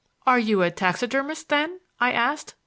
"Are you a taxidermist, then?" I asked.